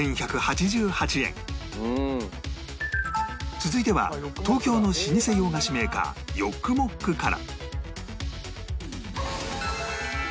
続いては東京の老舗洋菓子メーカーヨックモックから